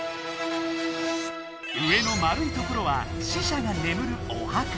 上の円いところは死者がねむるお墓。